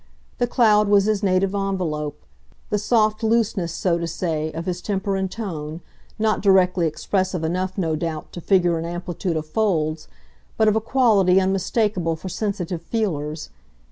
The cloud was his native envelope the soft looseness, so to say, of his temper and tone, not directly expressive enough, no doubt, to figure an amplitude of folds, but of a quality unmistakable for sensitive feelers.